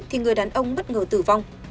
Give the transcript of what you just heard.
thì người đàn ông bất ngờ tử vong